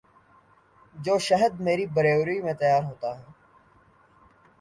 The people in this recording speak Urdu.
جو شہد مری بروری میں تیار ہوتا ہے۔